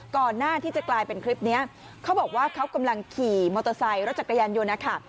ก่อนหน้าที่จะกลายเป็นคลิปนี้เขาบอกว่าเขากำลังขี่มอเตอร์ไซค์รถจักรยานยนต์นะคะ